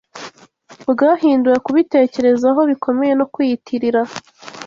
bwahinduwe Kubitekerezaho bikomeye no kwiyitirira